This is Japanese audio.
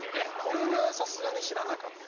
これはさすがに知らなかった？